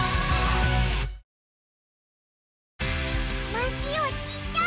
ましおちっちゃい